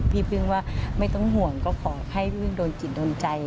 พึ่งว่าไม่ต้องห่วงก็ขอให้พึ่งโดนจิตโดนใจ